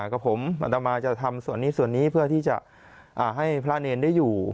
กับผมอัตมาจะทำส่วนนี้ส่วนนี้เพื่อที่จะให้พระเนรได้อยู่